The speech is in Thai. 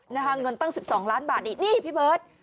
เงินตั้ง๑๒ล้านบาทนี่นี่พี่เบิร์ต